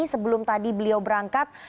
sebelum tadi beliau berangkat